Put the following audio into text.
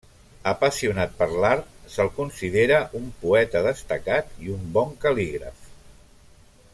Apassionat per l'art, se'l considera un poeta destacat i un bon cal·lígraf.